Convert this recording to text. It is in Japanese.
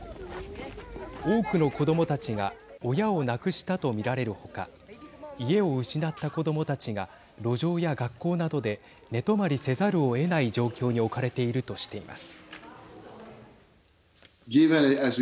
多くの子どもたちが親を亡くしたと見られる他家を失った子どもたちが路上や学校などで寝泊まりせざるをえない状況に置かれているとしています。